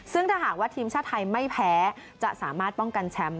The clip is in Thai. ซึ่งถ้าหากว่าทีมชาติไทยไม่แพ้จะสามารถป้องกันแชมป์